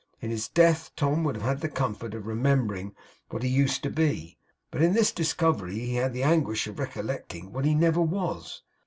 In his death Tom would have had the comfort of remembering what he used to be, but in this discovery, he had the anguish of recollecting what he never was.